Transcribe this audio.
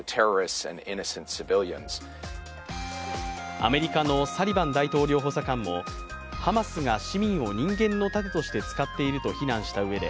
アメリカのサリバン大統領補佐官もハマスが市民を人間の盾として使っていると非難したうえで、